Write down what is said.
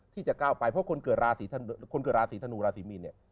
ที่จะก้าวไปเพราะคนเกิดราศีธนูราศีมีน